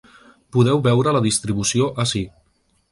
Podeu veure la distribució ací.